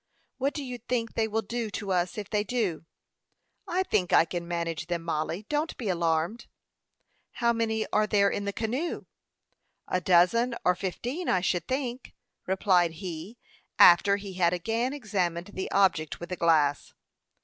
What do you think they will do to us, if they do?" "I think I can manage them, Mollie. Don't be alarmed." "How many are there in the canoe?" "A dozen or fifteen, I should think," replied he, after he had again examined the object with the glass.